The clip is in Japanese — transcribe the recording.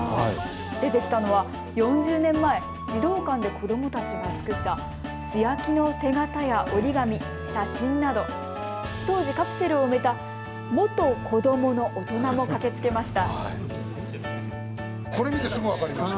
出てきたのは４０年前、児童館で子どもたちが作った素焼きの手形や折り紙、写真など当時、カプセルを埋めた元子どもの大人も駆けつけました。